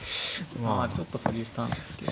まあちょっと保留したんですけど。